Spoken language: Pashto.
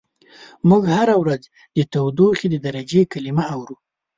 موږ هره ورځ د تودوخې د درجې کلمه اورو.